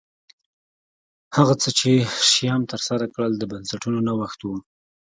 هغه څه چې شیام ترسره کړل د بنسټونو نوښت و